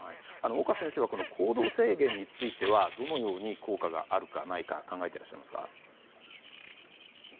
岡先生は行動制限についてはどのように効果があるかないか考えていらっしゃいますか？